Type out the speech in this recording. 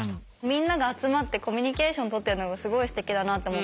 みんなが集まってコミュニケーション取ってるのがすごいすてきだなと思って。